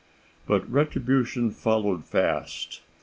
But retribution followed fast.